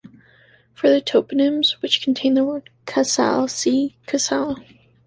For the toponyms which contain the word “casale”, see “Casale”